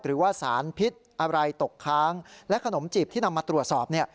หรือว่าสารพิษอะไรตกค้างและขนมจีบที่นำมาตรวจสอบเนี่ย